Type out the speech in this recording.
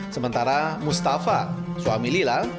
sementara mustafa suami lila